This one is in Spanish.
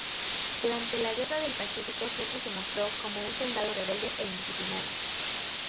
Durante la Guerra del Pacífico siempre se mostró como un soldado rebelde e indisciplinado.